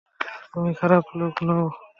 তুমি খারাপ লোক নও।